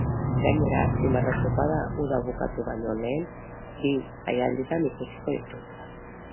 Gainera, azpimarratzekoa da uda bukatu baino lehen bi jaialditan ikusiko ditugula.